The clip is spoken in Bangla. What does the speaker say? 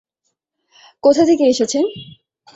কোথা থেকে এসেছেন?